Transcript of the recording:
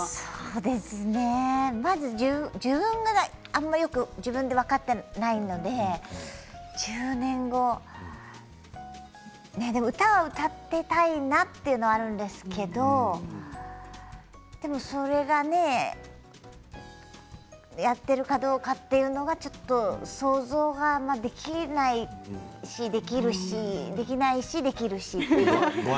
まず自分があんまりよく自分で分かっていないので１０年後でも、歌は歌っていたいなというのはあるんですけどでもそれがねやっているかどうかというのはちょっと想像があんまりできないしできるし、できないしできるし。